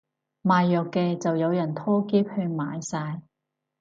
賣藥嘅就有人拖喼去買晒